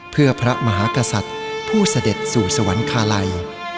เพื่อพระมหากษัตริย์ผู้เสด็จสู่สวรรคาลัย